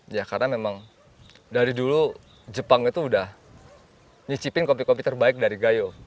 ya karena memang dari dulu jepang itu udah nyicipin kopi kopi terbaik dari gayo